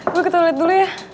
gua ketulit dulu ya